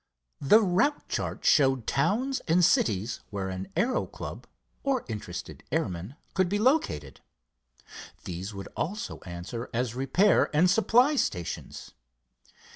The route chart showed towns and cities where an aero club or interested airman could be located. These would also answer as repair and supply stations.